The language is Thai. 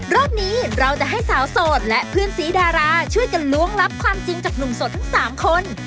รอบนี้เราจะให้สาวโสดและเพื่อนสีดาราช่วยกันล้วงลับความจริงจากหนุ่มโสดทั้ง๓คน